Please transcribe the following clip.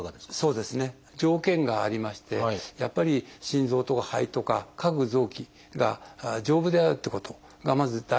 そうですね条件がありましてやっぱり心臓とか肺とか各臓器が丈夫であるってことがまず第一の条件ですね。